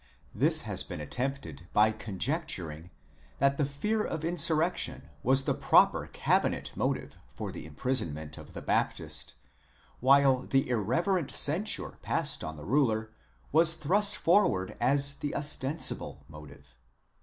This has been attempted by conjecturing, that the fear of insurrection was the proper cabinet motive for the imprisonment of the Baptist, while the irreverent censure passed on the ruler was thrust forward as the ostensible motive.